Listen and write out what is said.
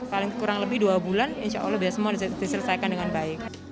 paling kurang lebih dua bulan insya allah semua diselesaikan dengan baik